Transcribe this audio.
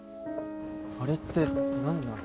あれって何なの？